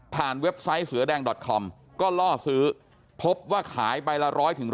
ผ่านเว็บไซต์เสือแดงคอมก็ล่อสือพบว่าขายไปละ๑๐๐๑๒๐